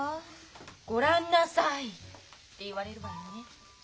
「ごらんなさい」って言われるわよね。